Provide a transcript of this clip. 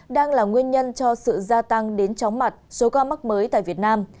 đang là nguyên nhân cho sự gia tăng đến chóng mặt số ca mắc mới tại việt nam